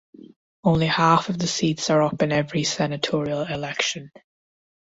Only half of the seats are up in every senatorial election.